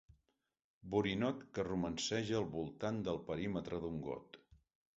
Borinot que romanceja al voltant del perímetre d'un got.